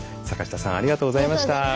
坂下さんありがとうございました。